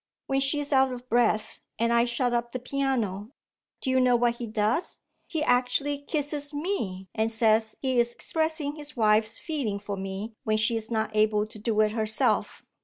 When she is out of breath, and I shut up the piano, do you know what he does? He actually kisses Me and says he is expressing his wife's feeling for me when she is not able to do it herself!